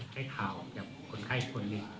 ให้ข่าวจากคนไข้โดนมิจริง